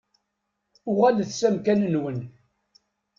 Uɣalet s amkan-nwen.